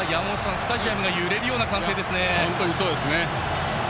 スタジアムが揺れるような本当にそうですね。